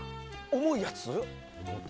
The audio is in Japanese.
重いやつ？